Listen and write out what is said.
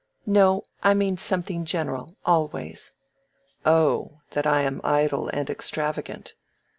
"No, I mean something general—always." "Oh, that I am idle and extravagant.